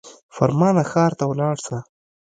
فرمانه ښار ته ولاړ سه.